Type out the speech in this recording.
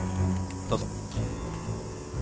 どうぞ。